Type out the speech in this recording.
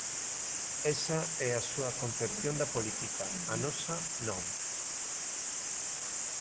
Esa é a súa concepción da política; a nosa, non.